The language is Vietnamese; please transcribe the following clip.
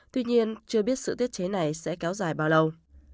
tuy nhiên chưa biết sự tiết chế này sẽ kéo dài bao lâu